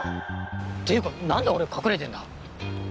っていうかなんで俺隠れてんだ？